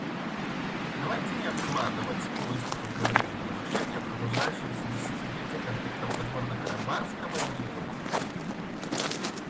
Давайте не откладывать поиски долговременного решения продолжающегося десятилетия конфликта в Нагорно-Карабахском регионе.